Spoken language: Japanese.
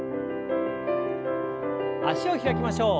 脚を開きましょう。